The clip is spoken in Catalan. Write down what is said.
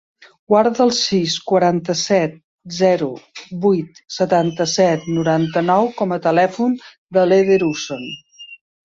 Guarda el sis, quaranta-set, zero, vuit, setanta-set, noranta-nou com a telèfon de l'Eder Uson.